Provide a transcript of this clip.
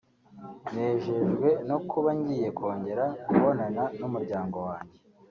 “Nejejwe no kuba ngiye kongera kubonana n’umuryango wanjye